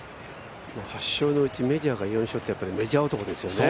８勝のうち、４勝がメジャーって、本当にメジャー男ですよね。